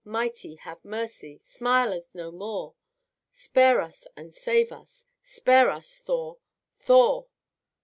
Mighty, have mercy, Smile as no more, Spare us and save us, Spare us, Thor! Thor!